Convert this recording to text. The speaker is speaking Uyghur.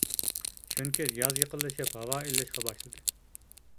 چۈنكى ياز يېقىنلىشىپ، ھاۋا ئىللىشقا باشلىدى.